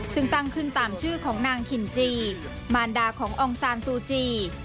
ซึ่งตั้งขึ้นตามชื่อของนางขินจีมารดาของอองซานซูจี